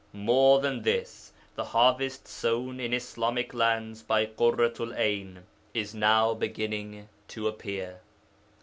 More than this; the harvest sown in Islamic lands by Ḳurratu'l 'Ayn is now beginning to appear.